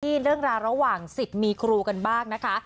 เรื่องราวระหว่างสิทธิ์มีครูกันบ้างนะคะ